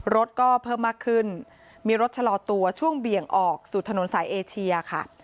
รถก็เพิ่มมากขึ้นมีรถชะลอตัวช่วงเบี่ยงออกสู่ถนนสายเอเชียค่ะ